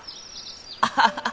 アハハハ！